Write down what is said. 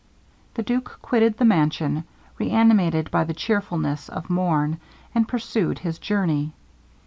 The duke quitted the mansion, re animated by the cheerfulness of morn, and pursued his journey.